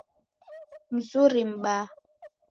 M'zuri M'baa.